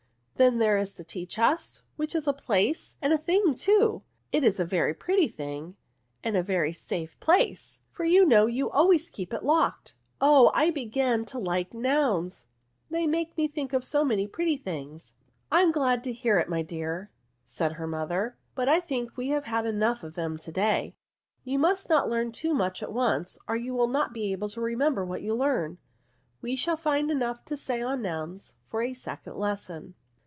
Then there is the tea chest, which is a place and a thing too. It is a very pretty thing, and a very safe place ; for you know you always keep it locked. Oh, I begin to like nouns, they make me think of so many pretty things." " I am glad to hear it, my dear," said her mother ;" but I think we have had enough of them to day. You must not learn too much at once, or you will not be able to NOUNS. remember what you learn. We shall find enough to say on nouns for a second lesson."